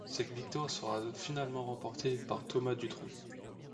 Cette victoire sera finalement remportée par Thomas Dutronc.